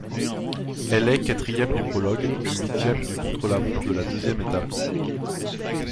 Elle est quatrième du prologue, puis huitième du contre-la-montre de la deuxième étape.